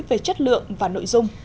về chất lượng và nội dung